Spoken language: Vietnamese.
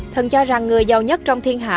thân cho rằng người giàu nhất trong thiên hạ